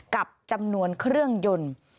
กับจำนวนเครื่องยนต์